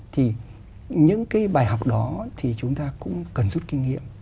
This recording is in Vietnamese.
thì những cái bài học đó thì chúng ta cũng cần rút kinh nghiệm